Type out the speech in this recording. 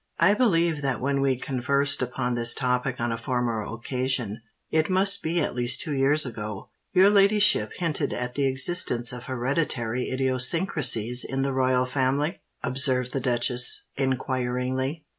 "I believe that when we conversed upon this topic on a former occasion,—it must be at least two years ago,—your ladyship hinted at the existence of hereditary idiosyncrasies in the Royal Family?" observed the duchess, inquiringly.